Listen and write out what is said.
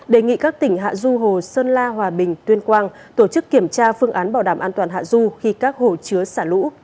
đề nghị các tỉnh hạ du hồ sơn la hòa bình tuyên quang tổ chức kiểm tra phương án bảo đảm an toàn hạ du khi các hồ chứa xả lũ